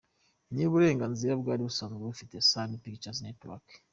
Ni uburenganzira bwari busanzwe bufitwe na Sony Pictures Network.